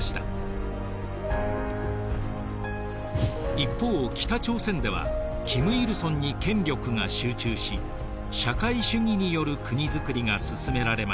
一方北朝鮮では金日成に権力が集中し社会主義による国づくりが進められました。